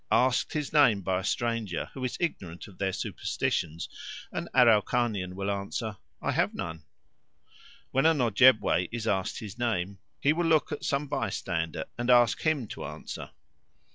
Asked his name by a stranger, who is ignorant of their superstitions, an Araucanian will answer, "I have none." When an Ojebway is asked his name, he will look at some bystander and ask him to answer.